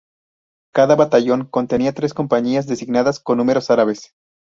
Cada batallón contenía tres compañías, designadas con números árabes.